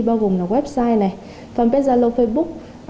bao gồm là website fanpage zalo facebook